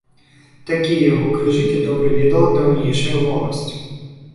Такія яго крыжыкі добра ведала даўнейшая воласць.